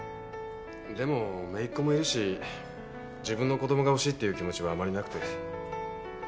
でもめいっ子もいるし自分の子供が欲しいっていう気持ちはあまりなくて。